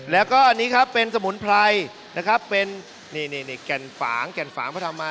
แล้วก็อันนี้ครับเป็นสมุนไพรนะครับเป็นนี่แก่นฝางแก่นฝางพระธรรมมา